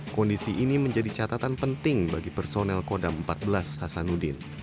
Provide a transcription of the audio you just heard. kondisi ini menjadi catatan penting bagi personel kodam empat belas hasanuddin